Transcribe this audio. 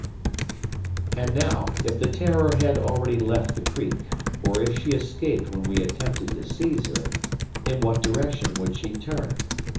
And now, if the "Terror" had already left the creek, or if she escaped when we attempted to seize her, in what direction would she turn?